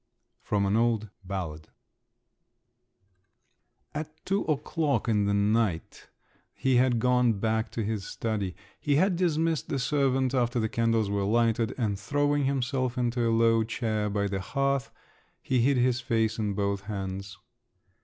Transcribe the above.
—From an Old Ballad. … At two o'clock in the night he had gone back to his study. He had dismissed the servant after the candles were lighted, and throwing himself into a low chair by the hearth, he hid his face in both hands.